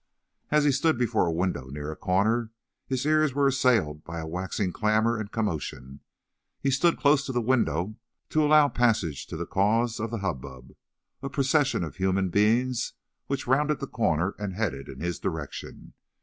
As he stood before a window near a corner, his ears were assailed by a waxing clamour and commotion. He stood close to the window to allow passage to the cause of the hubbub—a procession of human beings, which rounded the corner and headed in his direction.